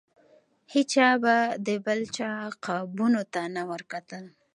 هیچا به د بل چا قابونو ته نه ورکتل.